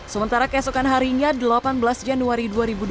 sementara keesokan harinya delapan belas januari dua ribu dua puluh